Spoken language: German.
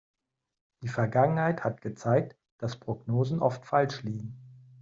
Die Vergangenheit hat gezeigt, dass Prognosen oft falsch liegen.